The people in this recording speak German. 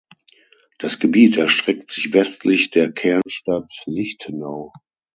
Das Gebiet erstreckt sich westlich der Kernstadt Lichtenau.